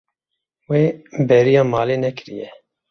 Wê bêriya malê nekiriye.